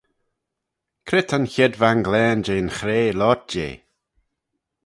Cre ta'n chied vanglane jeh'n chrea loayrt jeh?